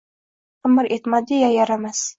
Qimir etmaydi-ya, yaramas